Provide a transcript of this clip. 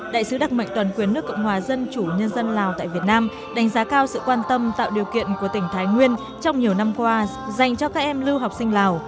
đại sứ đặc mệnh toàn quyền nước cộng hòa dân chủ nhân dân lào tại việt nam đánh giá cao sự quan tâm tạo điều kiện của tỉnh thái nguyên trong nhiều năm qua dành cho các em lưu học sinh lào